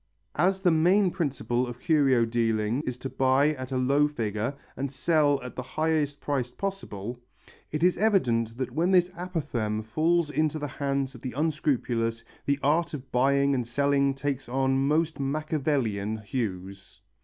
As the main principle of curio dealing is to buy at a low figure and sell at the highest price possible, it is evident that when this apophthegm falls into the hands of the unscrupulous, the art of buying and selling takes on most Machiavellian hues.